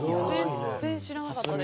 全然知らなかったです。